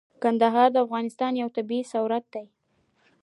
کندهار د افغانستان یو طبعي ثروت دی.